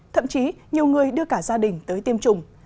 thậm chí nhiều người đưa cả gia đình tới tiêm chủng